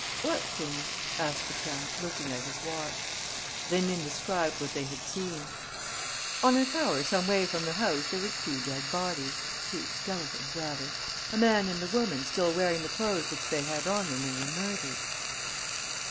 "What things?" asked the count, looking at his watch. Rénine described what they had seen: "On a tower some way from the house there were two dead bodies, two skeletons rather ... a man and a woman still wearing the clothes which they had on when they were murdered."